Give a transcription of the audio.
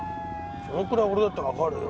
そのくらい俺だってわかるよ。